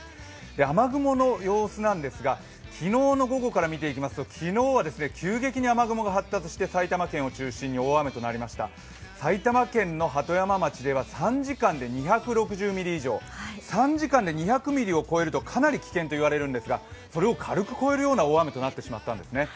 雨雲の様子なんですが、昨日の午後から見ていきますと昨日は急激に雨雲が発達して埼玉県を中心に大雨となりました埼玉県の鳩山町では３時間で２６０ミリ以上、３時間で２００ミリを超えるとかなり危険といわれるんですが、それを軽く超えるような大雨となってしまったんですね。